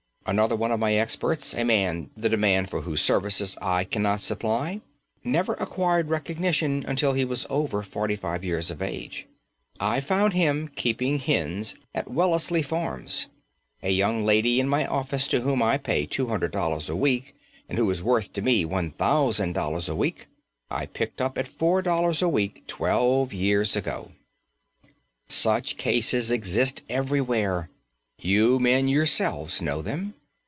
Another one of my experts, a man the demand for whose services I cannot supply, never acquired recognition until he was over forty five years of age. I found him keeping hens at Wellesley Farms! A young lady in my office to whom I pay $200 a week and who is worth, to me, $1,000 a week, I picked up at $4 a week twelve years ago. Such cases exist everywhere. You men yourselves know them.